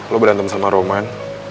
lo berantem sama roman